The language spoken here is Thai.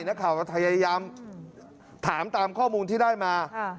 นักข่าวก็พยายามถามตามข้อมูลที่ได้มา